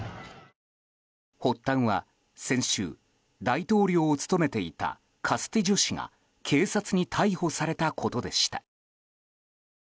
発端は、先週大統領を務めていたカスティジョ氏が警察に逮捕されたことでした。